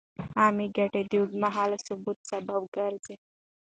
عامه ګټې د اوږدمهاله ثبات سبب ګرځي.